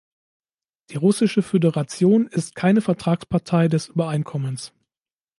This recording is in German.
Die Russische Föderation ist keine Vertragspartei des Übereinkommens.